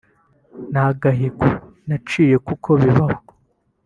Nta gahigo naciye kuko bibaho